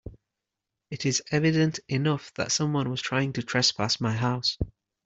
It is evident enough that someone was trying to trespass my house.